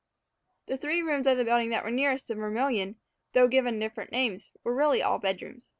The three rooms of the building that were nearest the Vermilion, though given different names, were really all bedrooms.